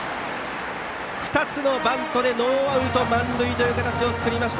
２つのバントでノーアウト満塁という形を作りました。